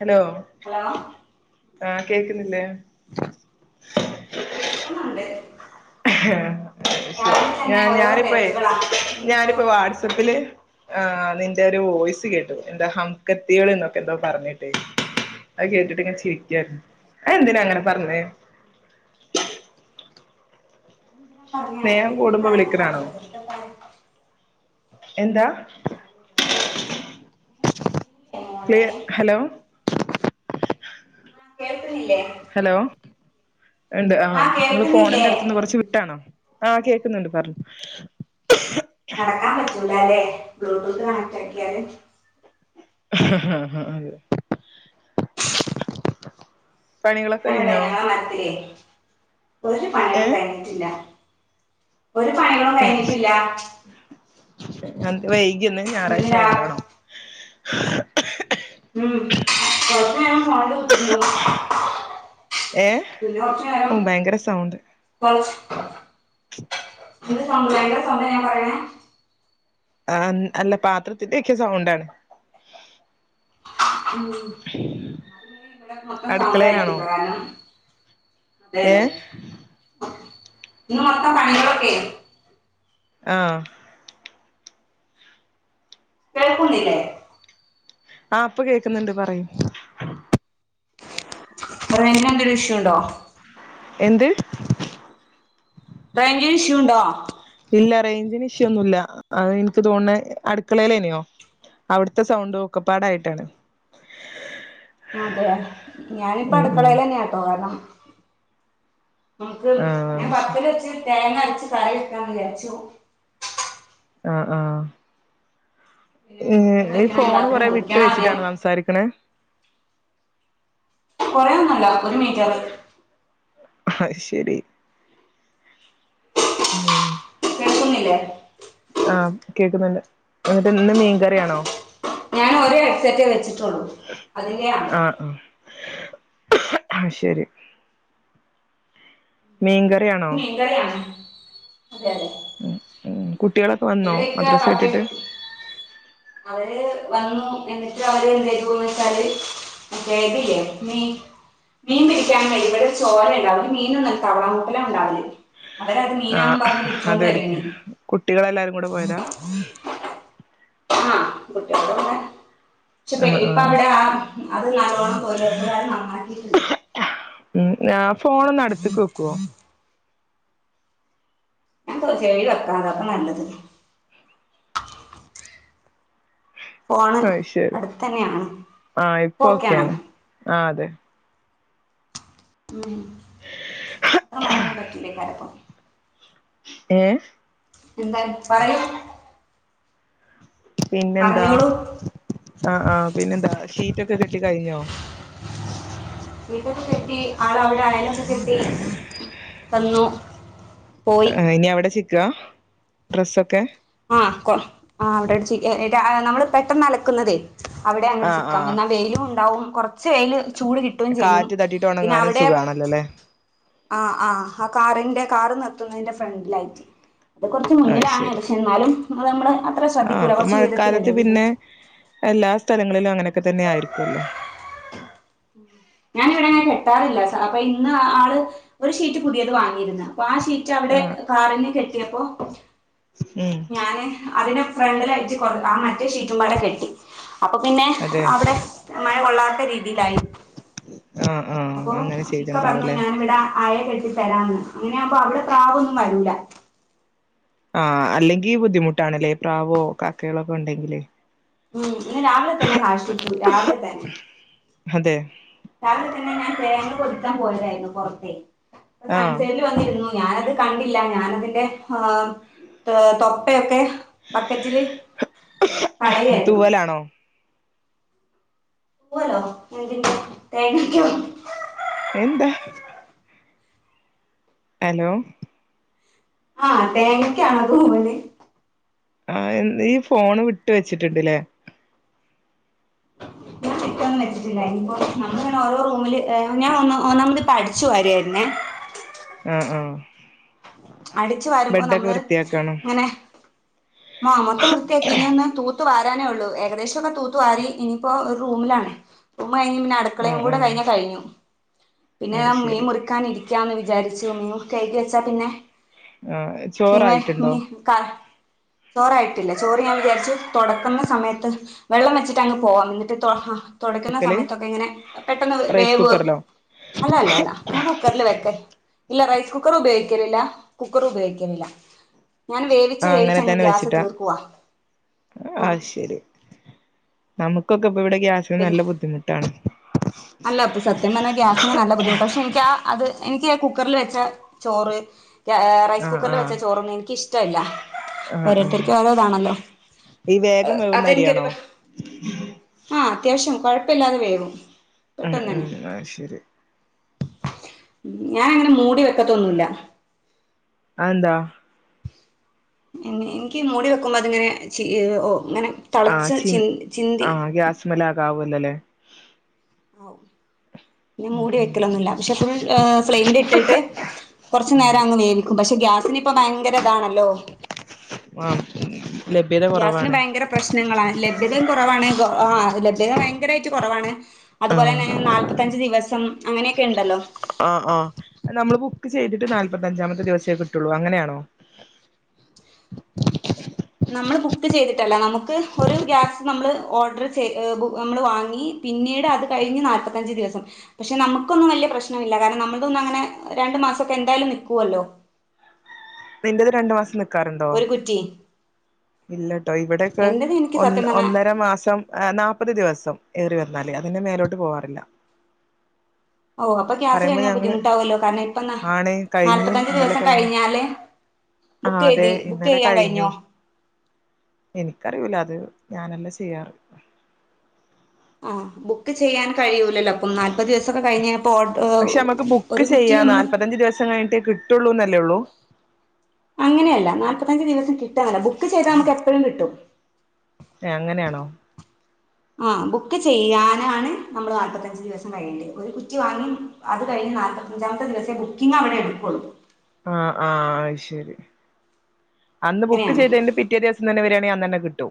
Hello hello ആഹ് കേക്കുന്നില്ലേ കേക്കുന്നുണ്ട് രാവിലെ തന്നെ ഓരോ ഞാനിപ്പ തിരക്കുകളാ ഇന്നിപ്പോ ഞാനിപ്പ വാട്സപ്പില് ഉം ആ നിന്റെ ഒരു വോയിസ് കേട്ടു എന്താ ഹംകത്തികൾ എന്നൊക്കെ എന്താ പറഞ്ഞിട്ടേ അത് കേട്ടിട്ട് ഇങ്ങെ ചിരിക്കാണ് അയ് ന്തിനാ അങ്ങനെ പറഞ്ഞെ സ്നേഹം കൂടുമ്പോ വിളിക്കണാണോ [inaudible] എന്താ നിനക്കറിയൂലെ മോളെ നിനക്കറിയൂലെ ക്ലിയ മോളെ ഹലോ കേൾക്ക് ണില്ലെ ഹലോ ണ്ട് ആഹ് ആ നിങ്ങള് കേൾക്കുന്നില്ലേ ഫോണിന്റെ അടുത്തു നിന്ന് കൊറച്ച് വിട്ടാണോ ആഹ് കേക്കുന്നുണ്ട് പറഞ്ഞോ നടക്കാൻ പറ്റൂല അല്ലേ ബ്ലൂടൂത്ത് കണക്ട് ആക്കിയാല് ആഹ് പണികളൊക്കെ ഞാനിവിടെ കഴിഞ്ഞോ [unintelligible] ഒരു പണികളും ഏഹ് കഴിഞ്ഞിട്ടില്ല ഒര് പണികളും കഴിഞ്ഞ്ട്ടില്ല എന്ത് വൈകിഇന്ന് ഇന്ന് രാ ഞാറാഴ്ച്ചായോണ്ടാണോ ഉം കൊറച്ച് ഞാൻ ഫോണിൽ കുത്തിര്ന്നു ഏഹ് ഉം ഭയങ്കര സൗണ്ട് കൊറച്ച് [inaudible] നിങ്ങക്ക് സംസാരിക്കാൻ സമയായ പറയണേ ആഹ് അല്ല പാത്രത്തിന്റെ എക്കെ സൗണ്ടാണ്. ഉം [unintelligible] ഇവടെ മൊത്തം അടുക്കളയിലാണോ സൗണ്ടായിരിക്കുപ്പോ കാരണം ഏ ഇന്ന് മൊത്തം പണികളൊക്കെ ആഹ് കേൾക്കുന്നില്ലേ ആഹ് ഇപ്പൊ കേക്കുന്ന്ണ്ട് പറയൂ ഇപ്പൊ റെയിഞ്ചിനെന്തേലും ഇഷ്യൂണ്ടോ എന്ത് റേയ്ഞ്ചിന് ഇഷ്യൂണ്ടോ ഇല്ല റേഞ്ചിന് ഇഷ്യൂ ഒന്നുല്ല അത് ഇന്ക്ക് തോന്ന്ണെ അടുക്കളേലല്ല്യോ അവിട്ത്തെ സൗണ്ടും ഒക്കപ്പാടായിട്ടാണ്. അതെ ഞാനിപ്പോ അടുക്കളേലെന്ന്യാട്ടോ കാരണം നമുക്ക് ഞാൻ ആഹ് ശരി പത്തലെച്ച് തേങ്ങ അരച്ച് കറി വെക്കാന്ന് വിചാരിച്ചു ആഹ് ആഹ് പിന്നെ പത്തല് ഈ പൊരിക്കണമെങ്കിൽ ഫോണ് പത്തല് കൊറേ വിട്ട് മുറിക്കണം ആദ്യം വെച്ച്ട്ടാണോ സംസാരിക്ക്ണേ കൊറേന്നുല്ല ഒരു മീറ്ററ് അയ്ശെരി ഉം കേക്കുന്നില്ലേ ആഹ് കേക്കുന്നുണ്ട് എന്നിട്ട് എന്നും മീൻകറിയാണോ ഞാനൊര് ഹെഡ്സെറ്റേ വെച്ചിട്ടോള്ളൂ അതിന്റെയാണ് അത് ശെരി മീൻകറിയാണോ ഇന്ന് മീൻകറിയാണ് അതെ അതെ ഉം ഉം കുട്ടികളൊക്കെ വന്നോ ഇവിടേക്കയാ മദ്രസ വിട്ടിട്ട് [unintelligible] അവര് വന്നു എന്നിട്ട് അവര് എന്തെയ്തൂന്ന് വെച്ചാല് കേക്കില്ലേ മീ മീൻ പിടിക്കാൻ വെരും ഇവിടെ ചോരെണ്ടാവല് മീനൊന്നുല്ല തവള മൂട്ടലാണ്ടാവല് അവരത് ആഹ് മീനാന്നും പറഞ്ഞ് പിടിച്ചോണ്ട് അത് എടുക്ക് വര്യേനി കുട്ടികളെല്ലാരും കൂടി പോയട്ടാ ആഹ് കുട്ടികള് പോയ ക്ഷെ ആഹ് ഇപ്പ ആഹ് അവിടെ അത് നല്ലോണ്ണം തൊഴിലൊറപ്പ്കാര് നന്നാക്കീട്ട്ണ്ട് ഉം ആഹ് ഫോണൊന്ന് അടുത്ത്ക്ക് വെക്കുവൊ ഞാൻ ചെവീലെക്കാ അതപ്പൊ നല്ലത്. ഫോണ് അയ് ശെരി അടുത്ത് തന്നെയാണ് ആഹ് ഇപ്പൊ ഓക്കെയാണ് ആഹ് അതെ. ഉം [unintelligible] പറ്റൂല്ലേക്കാരപ്പം. ഏഹ്? എന്താ പറയൂ. പിന്നെന്താ പറഞ്ഞോളൂ ആ ആ പിന്നെന്താ ഷീറ്റൊക്കെ കിട്ടി കഴിഞ്ഞോ വീട്ടൊക്കെ കെട്ടി ആൾ അവിടെ അയിലൊക്കെ കെട്ടീ വന്നൂ. ഇനി അവിടെ ചിക്ക്വാ, ഡ്രസ്സൊക്കെ? ആഹ് കൊ ആഹ് വെച്ചേക്കുവാ നമ്മള് പെട്ടെന്ന് അലക്കുന്നതേ. അവിടെയാണ് അങ്ങട്ട് ആഹ് ചിക്കാം ആഹ് എന്നാ വെയിലും ഉണ്ടാവും കൊറച്ച് വെയ്ൽ ചൂട് കിട്ടു -. ട്ടും ചെയ്യും കാറ്റ് തട്ടിട്ട് പിന്നെ ഉണങ്ങാനും അവിടെ. സുഖാണല്ലോ അല്ലേ ആഹ് ആഹ് ആ കാറിന്റെ കാർ നിർത്തുന്നതിന്റെ ഫ്രണ്ടിലായിട്ട് അത് കൊറ്ച്ച് അയ് മുന്നിലാണ്. ശരി എന്നാലും നമ്മൾ നമ്മളെ. ആഹ് അപ്പൊ മഴക്കാലത്ത് പിന്നെ എല്ലാ സ്ഥലങ്ങളിലും അങ്ങനൊക്കെ തന്നെ ആയിരിക്കുല്ലോ. ഞാന് ഇവിടെങ്ങെ കെട്ടാറില്ല അപ്പൊ ഇന്ന് ആള്. ഒരു ഷീറ്റ് പുതിയത് വാങ്ങിയിരുന്നു. അപ്പൊ ആ ഷീറ്റ്. റ്റ് അവിടെ ആഹ് കാറിന് കെട്ടിയപ്പോ ഉം ഞാന്. അതിനെ ഫ്രണ്ടിൽയിട്ട് കൊറ ആ മറ്റേ ഷീറ്റുംപാടെ കെട്ടി അപ്പൊ പിന്നെ അതെ അവിടെ. മഴ കൊള്ളാത്ത രീതിയിലായി. ഉം അപ്പോ ഇക്ക പറഞ്ഞു ഞാനിവിടെ അയെ കെട്ടിതരാന്ന് അങ്ങനെ ആകുമ്പോ അവിടെ പ്രാവൊന്നും വരൂല്ല. ആഹ് അല്ലെങ്കിൽ ബുദ്ധിമുട്ടാണല്ലേ പ്രാവോ കാക്കകളോ ഒക്കെ ഉണ്ടെങ്കിലെ. ഉം ഇന്ന് രാവിലെ തന്നെ കാഷ്ടിച്ചു രാവിലെ തന്നെ. അതെ. രാവിലെ തന്നെ ഞാൻ തേങ്ങ പൊതിക്കാൻ പോയതായിരുന്നു പെറത്തെ ആഹ് സൺസൈഡിൽ. പുറത്തു വന്നുയിരുന്നു ഞാനത് കണ്ടില്ല ഞാനത്തിന്റെ. ആഹ് ഏഹ് തൊപ്പയൊക്കെ ബക്കറ്റിൽ കളയായിരുന്നു. തൂവലാണോ പോവലോ. എന്തിന്റെ തേങ്ങാക്കൊ എന്താ? ഹലോ. ആഹ് തേങ്ങക്കാണ് തൂവല്. ആഹ് നീ ഫോണുവിട്ടു വെച്ചിട്ടുണ്ടുല്ലേ. [unintelligible] കിട്ടൊന്നും വെച്ചിട്ടില്ല. ഇനിപ്പോ നമ്മളിങ്ങനെ ഓരോ റൂമിൽ ഏഹ് ഞാൻ ഒന്ന് ഒന്നാമത് ഇപ്പൊ അടിച്ചുവാരയിരുന്നേ. ഉം ഉം അടിച്ചു വരുമ്പോ നമ്മള് വൃത്തിയാക്കാണോ ഇങ്ങനെ. അ മൊത്തം വൃത്തിയാക്കി ഇനിയൊന്ന് തൂത്തു വാരാനേ ഉള്ളൂ ഏകദേശം. ത്തൊക്കെ തൂത്തുവാരി. ഇനിയിപ്പോ ഒരു റൂമിലാണ്. റൂം കഴിഞ്ഞ് പിന്നെ അട്. ആഹ് അടുക്കളയും ആഹ് കഴിഞ്ഞ കഴിഞ്ഞു. പിന്നെ അത് മീൻ മുറി. ശരി മുറിക്കാൻ ഇരിക്കാന്ന് വിചാരിച്ചു. മീൻ കഴുകി വെച്ചാ പിന്നെ ആഹ് [unintelligible] ചോറായിട്ടുണ്ടോ പിന്നെ കാ. ചോറായിട്ടില്ല. ചോറ് ഞാൻ വിചാരിച്ചു തുടക്കുന്ന സമയത്ത് വെള്ളം വെച്ചിട്ട് അങ്ങ് പോവാം എന്നിട്ട് തൊ ആഹ്. തൊടക്കുന്ന വെക്കല് സമയത്തൊക്കെ ഇങ്ങനെ. പെട്ടെന്ന് റൈസ് വേവ്. കുക്കറിലോ അല്ല അല്ല അല്ല ഞാൻ കുക്കറിൽ വെക്കെ. ഇല്ല റൈസ് കുക്കർ ഉപയോഗിക്കലില്ല കുക്കറും ഉപയോഗിക്കലില്ല ഞാൻ വേവിച്ച് വേവിച്ചങ്ങ് ഗ്യാ. [unintelligible] അയ് ശരി. നമുക്കൊക്കെ ഇപ്പ ഇവിടെ ഗ്യാസിന് നല്ല പിന്നെ ബുദ്ധിമുട്ടാണ്. അല്ല പ്പ സത്യം പറഞ്ഞാ ഗ്യാസിന് നല്ല ബുദ്ധിമുട്ടാ. പക്ഷെ ഇൻക്ക്യാ അത് എനിക്ക് ആ കുക്കറിൽ വെച്ച ചോറ് ഏഹ് റൈസ് ആഹ് കുക്കറിൽ ആഹ് വെച്ച ചോറൊന്നും ഇൻക്കിഷ്ടവില്ല ആഹ് ആഹ് ഓരോര്ത്തര്ക്കും ഓരോ ഇതാണല്ലോ. ഈ വേഗം വേവുന്ന അരിയാണോ? ആഹ് അത്യാവശ്യം കൊഴപ്പല്ലാതെ വേവും. ഉംഹ് ഉംഹ് ആഹ് ശരി. ഞാനങ്ങനെ മൂടി വെക്കത്തൊന്നുല്ല. അതെന്താ? ൻ ഇൻ ൻക്ക് മൂടി വെക്കുമ്പോ അതിങ്ങനെ ചി ങ്ങനെ തളച്ച് ചി ചിന്തി. സ്മെലാകെ ആവൊല്ലോല്ലേ. ആവും. പിന്നെ ഉം മൂടി ഉം വെക്കലൊന്നുല്ല. പക്ഷെ ഫുൾ ഏഹ് ഫ്ലെയിമിൽ ഇട്ടിട്ട് കൊറച്ചു നേരം ആഹ് അങ്ങ് വേവിക്കും പക്ഷെ ഗ്യാസിന് ഇപ്പ ഭയങ്കര ഇതാണല്ലോ. ആഹ്. ലഭ്യത ഗ്യാസിന് കുറവാണ് ഭയങ്കര പ്രശ്നങ്ങളാ ലഭ്യതിം കൊറവാണ് ആഹ് ലഭ്യത ഭയങ്കരായിട്ട് കൊറവാണ്. അതുപോലെന്നെ ആഹ് നാല്പത്തഞ്ച് ദിവസം അങ്ങനെയൊക്കെ ഇണ്ടല്ലോ. ആഹ് ആഹ് നമ്മള് ബുക്ക് ചെയ്തിട്ട് നാല്പ്പത്തഞ്ചാമത്തെ ദിവസേ കിട്ടുള്ളൂ അങ്ങനെയാണോ? നമ്മൾ ബുക്ക് ചെയ്തിട്ടല്ല നമുക്ക് ഒരു ഗ്യാസ് നമ്മൾ ഓർഡർ ചെയ് ഏഹ് ബു നമ്മൾ വാങ്ങി. പിന്നീട് അത് കഴിഞ്ഞ് നാൽപ്പത്തഞ്ച് ദിവസം. പക്ഷെ നമുക്കൊന്നും വലിയ പ്രശ്നമില്ല കാര്ണം നമ്മള്തൊന്നും അങ്ങനെ രണ്ട് മാസൊക്കെ എന്തായാലും നിക്കുവല്ലോ. ഇപ്പിന്റെത് രണ്ട് മാസം നി ഒരു കുറ്റി. ഇല്ലട്ടോ ഇവിടൊക്കെ എന്റത് എനിക്ക് ഒന്ന് സത്യം പറഞ്ഞാ ഒന്നര മാസം. ഏഹ് നാപ്പത് ദിവസം ഏറി വന്നാല്, അതിന്റെ മേലോട്ട് പോവാറില്ല. ഓഹ് അപ്പൊ ക്യാസ് പറയുമ്പോ കഴിഞ്ഞാ ഞങ്ങള് ബുദ്ധിമുട്ടാവൊല്ലോ കാര്ണം ഇപ്പ ന ആണ് കഴിഞ്ഞു നാല്പത്തഞ്ച് ഇന്നലെ ദിവസം കഴിഞ്ഞു കഴിഞ്ഞാലെ. ആഹ് അതെ ബുക്കെയ്തി ഇന്നലെ ബുക്കെയ്യാൻ കഴിഞ്ഞോ? ഇൻക്കറിയൂല അത് ഞാനല്ല ചെയ്യാറ്. ആഹ് ബുക്ക് ചെയ്യാൻ കഴിയൂലല്ലോ പ്പം നാല്പ്പത് ദിവസൊക്കെ കഴിഞ്ഞ് പ്പോ ഓട് ഓ ഒരു കുറ്റി നമ്മള്. തഞ്ച് ദിവസം കഴിഞ്ഞിട്ടേ കി ട്ടൊള്ളൂന്നല്ലേ ഒള്ളൂ. അങ്ങനെയല്ല നാൽപ്പത്തഞ്ച് ദിവസം കിട്ടാന്നല്ല ബുക്ക് ചെയ്താ നമുക്ക് എപ്പഴും കിട്ടും. ഏഹ് അങ്ങനെയാണോ? ആഹ് ബുക്ക് ചെയ്യാനാണ് നമ്മള് നാല്പത്തഞ്ച് ദിവസം കഴിയണ്ട്യെ. ഒരു കുറ്റി വാങ്ങി അതു കഴിഞ്ഞ് നാൽപ്പത്തഞ്ചാമത്തെ ദിവസെ ബുക്കിംഗ് അവിടെ എടുക്കൊള്ളൂ. ആഹ് ആഹ് അഹ് ശെരി. അന്ന് ബുക്ക് അങ്ങനെയാണ് ചെയ്തേന്റെ പി റ്റേ ദിവസം തന്നെ വരാണെ അന്നന്നെ കിട്ടും.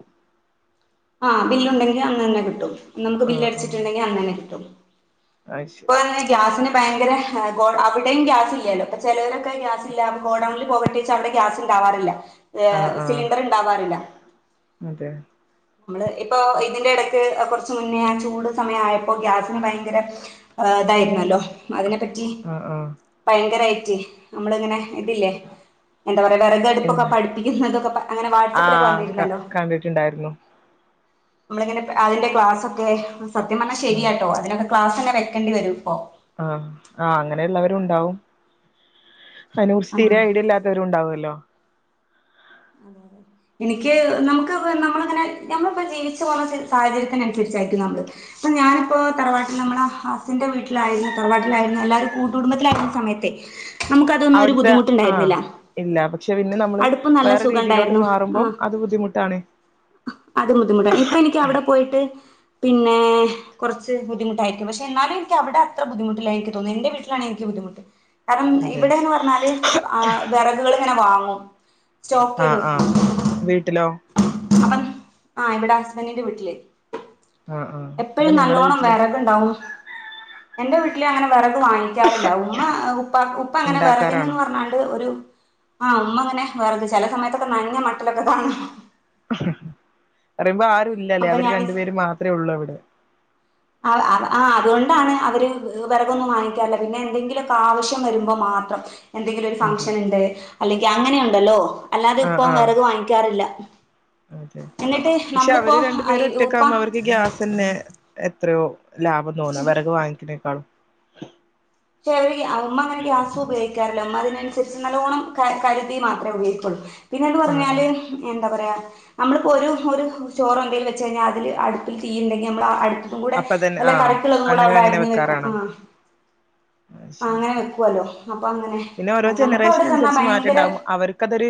ആഹ് ബില്ലുണ്ടെങ്കി അന്നന്നെ കിട്ടും. നമുക്ക് ആഹ് ആഹ് ബില്ലടിച്ചിട്ടുണ്ടെങ്കി അന്നന്നെ കിട്ടും. അത് ഇപ്പൊ ശരി ഗ്യാസിന് ഭയങ്കര ഹെ ഗോഡ് അവിടെയും ഗ്യാസ് ഇല്ലല്ലോ അപ്പ ചെലോരൊക്കെ ഗ്യാസ് ഇല്ല ഗോഡൌണിൽ പോകട്ടേച്ചാ അവിടെ ഗ്യാസ് ഇണ്ടാവാറില്ല. ആഹ് ഏഹ് ആഹ് സിലിണ്ടർ ഇണ്ടാവാറില്ല. അതെ. നമ്മള് ഇപ്പൊ ഇതിന്റെ എടക്ക് കൊർച്ച് മുന്നേ ആ ചൂട് സമയായ പ്പൊ ഗ്യാസിന് ഭയങ്കര ഏഹ് ഇതായിരുന്നല്ലോ അതിനെ പറ്റി ആഹ് ആഹ് ഭയങ്കരായിറ്റ് നമ്മളിങ്ങനെ ഇതില്ലേ എന്താ പറയാ വെറകടുപ്പൊക്കെ പിന്നെ പഠിപ്പിക്കുന്നതൊക്കെ പ അങ്ങനെ വാട്സ്ആപ്പിലൊക്കെ വന്നിരുന്നല്ലോ. കണ്ടിട്ട്ണ്ടായിരുന്നു. നമ്മളിങ്ങനെ അതിന്റെ ക്ലാസൊക്കെ സത്യ പർഞ്ഞാ ആഹ് ശരിയാട്ടോ അതിനൊക്കെ ക്ലാസന്നെ വെക്കേണ്ടി വരും ഇപ്പോ. ആഹ് ആഹ് അങ്ങനെയ്ള്ളവരുണ്ടാവും [unintelligible] സ്ഥിരം ആഹ് ഐഡിയല്ലാത്താ വരും ഉണ്ടാവല്ലോ? [inaudible] എനിക്ക് നമുക്ക് ഇവ് നമ്മളിങ്ങനെ ഞമ്മളിപ്പോ ജീവിച്ചു പോകുന്ന സാഹചര്യത്തിനനുസരിച്ചായിരിക്കും നമ്മള്. ഇപ്പൊ ഞാനിപ്പോ തറവാട്ടിൽ നമ്മള ഹസിന്റെ വീട്ടിലായിരുന്നു തറവാട്ടിലായിരുന്ന എല്ലാവരും കൂട്ടു കുടുംബത്തിലായിരുന്ന സമയത്ത് [unintelligible] അവിട്ത്തെ ആഹ് ഇല്ല പക്ഷെ പിന്നേം നമ്മള് അടുപ്പ് നല്ല വേറെ രീതിയിലോട്ട് മാറുമ്പം അത് ബുദ്ധിമുട്ടാണ്. ആഹ് അതും ബുദ്ധിമുട്ടാണ് ഇപ്പ എനിക്ക് അവിടെ പോയിട്ട് പിന്നെ കൊർച്ച് ബുദ്ധമുട്ടായിരിക്കും പക്ഷെ എന്നാലും എനിക്കവിടെ അത്ര ബുദ്ധമുട്ടില്ല എനിക്ക് തോന്നി എന്റെ വീട്ടിലാണെനിക്ക് ബുദ്ധിമുട്ട്. കാരണം അതെ ഇവിടെന്ന് പറഞ്ഞാല് ആഹ് വെറകുകൾ ഇങ്ങനെ വാങ്ങും. സ്റ്റോക്കെയ്ത് ആഹ് ആഹ് വെക്കും. വീട്ടിലോ അപ്പം ആഹ് ഇവിടെ ഹസ്ബന്റിന്റെ വീട്ടില്. ആഹ് ആഹ് അപ്പൊ എപ്പഴും നിങ്ങളെ നല്ലോണം വീട്ടിലോ വെറക്ണ്ടാവും എന്റെ വീട്ടില് അങ്ങനെ വെറക് വാങ്ങി ക്കാറില്ലാ ഉമ്മ ഉപ്പ ഉപ്പ അങ്ങനെ ഇണ്ടാക്കാറാണോ വെറകിനന്ന് പർഞ്ഞാണ്ട് ഒരു ആഹ് ഉമ്മ അങ്ങനെ വെർക് ചെലെ സമയത്തൊക്കെ നനഞ്ഞ മട്ടലൊക്കെ കാണാ പറയുമ്പോ ആരുല്ലാല്ലേ അപ്പൊ അവര് ഞാന് രണ്ടു പേര് മാത്രേള്ളു അവിടെ. ആഹ് ആഹ് അതുകൊണ്ടാണ് അവര് വെറകൊന്നും വാങ്ങിക്കാത്തേ പിന്നെ എന്തെങ്കിലൊക്കെ ആവശ്യം വരുമ്പോ മാത്രം. എന്തെങ്കിലും ഒരു അതെ ഫംഗ്ഷൻ ഇണ്ട് അല്ലെങ്കി അങ്ങനെ ഉണ്ടല്ലോ? അല്ലാതെ ആഹ് ഇപ്പം ആഹ് വെർക് വാങ്ങിക്കാറില്ലാ അതെ എന്നിട്ട് പക്ഷെ നമ്മള് അവര് രണ്ടു പേരും ഒറ്റക്കാവുമ്പോ അവർക്ക് ഗ്യാസെന്നെ എത്രയോ ലാഭം തോന്നാ വെറക് വങ്ങിക്കണേക്കാളും. പക്ഷെ അവര് ഗ്യാ ഉമ്മ അങ്ങനെ ഗ്യാസ് ഉപയോഗിക്കാറൂല്ലാ ഉമ്മ അതിനനുസരിച്ച് നല്ലോണം ക കരുതി മാത്രേ ഉപയോഗിക്കൊള്ളൂ. പിന്നെന്ന് ആഹ് പറഞ്ഞാല് ആഹ് എന്താപറയാ നമ്മളിപ്പോ ഒരു ഒരു ചോറോ എന്തെലും വെച്ച് കഴിഞ്ഞാ അതിൽ അടുപ്പില് തീ ഇണ്ടെങ്കില് നമ്മളാ അട് അതും കൂടെ അപ്പൊ തന്നെ വല്ലെ ആഹ് കറിക്ക് ഇള്ളതും കൂടെ അങ്ങനെ അവിടെ അങ്ങനെ അരിഞ്ഞ് വെക്കും വെക്കാറാണോ ആഹ് അത് ശെരി. പുവാല്ലോ അപ്പ അങ്ങനെ പിന്നെ ഓരോ നമുക്ക് അവിടെ ജനറേഷന് ചെന്നാ അനുസരിച്ച് ഭയങ്കര മാറ്റണ്ടാവും അവർക്ക് അതൊരു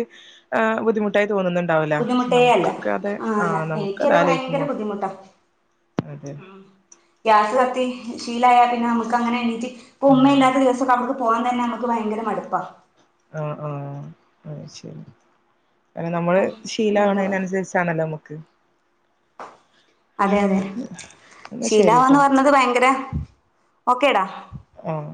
ഏഹ് ബുദ്ധിമുട്ടായി തോനുന്നുണ്ട് ണ്ടാവല്ലോ പക്ഷെ ബുദ്ധിമുട്ടേ അല്ല നമുക്കൊക്കെ അത് ആ അല്ല ആഹ് നമുക്ക് അത് എനിക്കത് ഭയങ്കര ആലോചിക്കുമ്പോ ബുദ്ധിമുട്ടാ അതെ ആ ഗ്യാസ് കത്തി ശീലായാ പിന്നെ നമ്മക്ക് അങ്ങനെ എണീറ്റ് ഇപ്പ ഉമ്മ ആഹ് ഇല്ലാത്ത ദിവസൊക്കെ നമ്മക്ക് പോവാൻ തന്നെ നമുക്ക് ഭയങ്കര മടുപ്പാ. ആഹ്, ആഹ് അത് ശെരി. അങ്ങനെ നമ്മള് അപ്പം എന്താ ശീലാവണേന് പറയാ അനുസരിച്ചാണല്ലോ നമ്മക്ക് അതെ, അതെ എന്നാ ശീലാവാന്ന് ശരിട്ടോ പറഞ്ഞത് ഭയങ്കര ഓക്കേടാ. ആഹ്